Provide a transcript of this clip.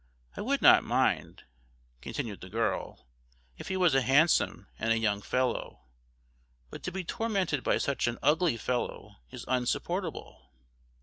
I would not mind, continued the girl, if he was a handsome and a young man, but to be tormented by such an ugly fellow is insupportable."